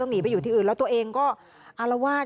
หนีไปอยู่ที่อื่นแล้วตัวเองก็อารวาส